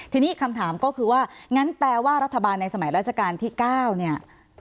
ทีนี้คำถามก็คือว่างั้นแปลว่ารัฐบาลในสมัยราชการที่๙เนี่ย